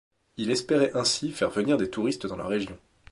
Il espérait ainsi faire venir des touristes dans la région.